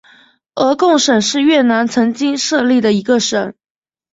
鹅贡省是越南曾经设立的一个省。